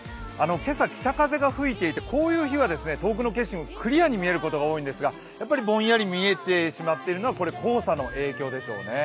今朝、北風が吹いていて、こういう日は遠くの景色もクリアに見えることが多いんですがぼんやり見えてしまっているのは黄砂の影響でしょうね。